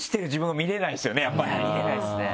見れないですね。